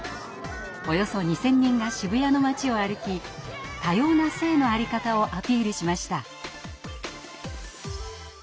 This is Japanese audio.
およそ２，０００人が渋谷の街を歩き多様な性の在り方をアピールしました。